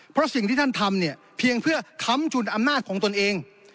เพราะสิ่งที่ท่านทำเนี่ยเพียงเพื่อค้ำจุนอำนาจของตนเอง